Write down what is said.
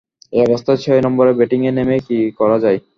এ অবস্থায় ছয় নম্বরে ব্যাটিংয়ে নেমে কী করা যায়?